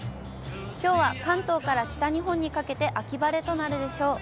きょうは関東から北日本にかけて秋晴れとなるでしょう。